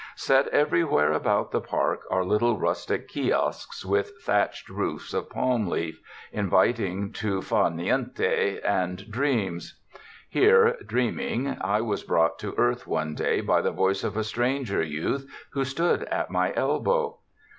Set every where about the park are little rustic kiosks with thatched roofs of palm leaf, inviting to far niente and dreams. Here, dreaming, I was brought to earth one day by the voice of a stranger youth who stood at my elbow.